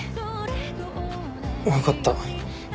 分かった。